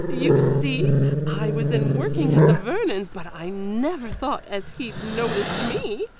You see, I was in working at the Vernons', but I never thought as he'd noticed me.